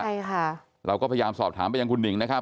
ใช่ค่ะเราก็พยายามสอบถามไปยังคุณหนิงนะครับ